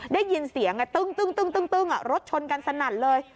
ได้ยินเสียงตึ้งรถชนกันสนั่นเลย